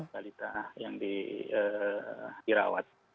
balita yang dirawat